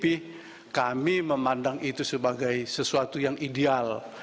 jadi kami memandang itu sebagai sesuatu yang ideal